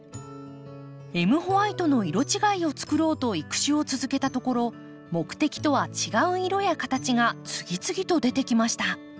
エムホワイトの色違いをつくろうと育種を続けたところ目的とは違う色や形が次々と出てきました。